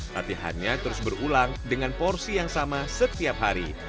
latihannya terus berulang dengan porsi yang sama setiap hari